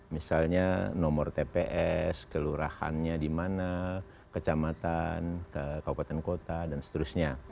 misalnya nomor tps kelurahannya dimana kecamatan kaukapan kota dan seterusnya